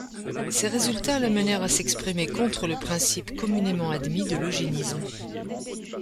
Ces résultats l'amenèrent à s'exprimer contre le principe communément admis de l'eugénisme.